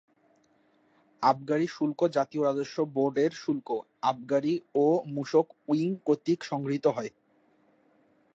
আবগারি শুল্ক জাতীয় রাজস্ব বোর্ডএর শুল্ক, আবগারি ও মূসক উইং কর্তৃক সংগৃহীত হয়।